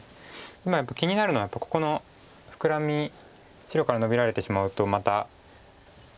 今やっぱり気になるのはここのフクラミ白からノビられてしまうとまた。